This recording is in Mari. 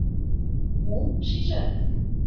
Мом шижат?